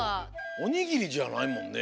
おにぎりじゃないもんね。